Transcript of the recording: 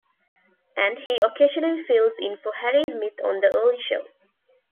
And he occasionally fills in for Harry Smith on The Early Show.